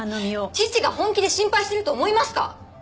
父が本気で心配していると思いますか！？